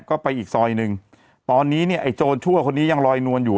ก็ไปอีกซอยหนึ่งตอนนี้เนี่ยไอ้โจรชั่วคนนี้ยังลอยนวลอยู่